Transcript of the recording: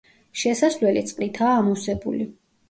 შესასვლელი წყლითაა ამოვსებული.